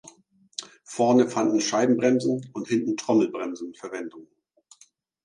Vorne fanden Scheibenbremsen und hinten Trommelbremsen Verwendung.